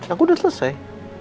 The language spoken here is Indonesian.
aku udah selesai